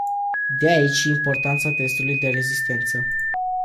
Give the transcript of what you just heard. De aici și importanța testului de rezistență.